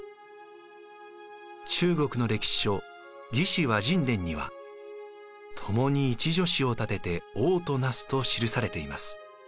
中国の歴史書「魏志」倭人伝には「共に一女子を立てて王となす」と記されています。